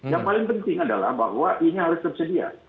yang paling penting adalah bahwa ini harus tersedia